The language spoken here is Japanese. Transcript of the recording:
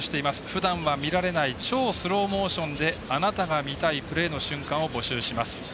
ふだんは見られない超スローモーションであなたが見たいプレーの瞬間を募集します。